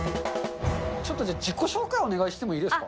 ちょっとじゃあ、自己紹介をお願いしてもいいですか。